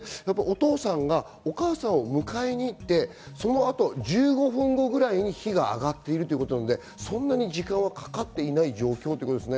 お父さんがお母さんを迎えに行って、その後、１５分後ぐらいに火が上がっているということなので、そんなに時間は掛かっていない状況ということですね。